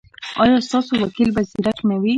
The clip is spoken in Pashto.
ایا ستاسو وکیل به زیرک نه وي؟